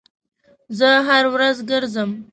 زه هر ورځ ګرځم